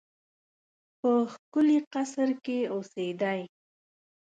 په ښکلي قصر کې اوسېدی.